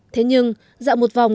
thế nhưng dạo một vòng